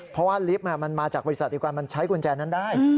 เพราะว่าลิฟต์มันมาจากบริษัทเดียวกันมันใช้กุญแจนั้นได้